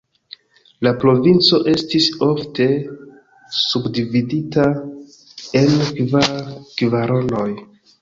La provinco estis ofte subdividita en kvar kvaronoj.